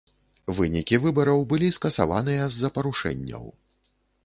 Вынікі выбараў былі скасаваныя з-за парушэнняў.